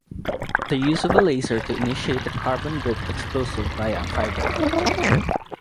The use of a laser to initiate a carbon-doped explosive via a fiber optic.